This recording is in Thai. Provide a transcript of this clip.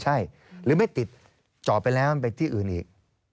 ใช่หรือไม่ติดเจาะไปแล้วมันไปที่อื่นอีก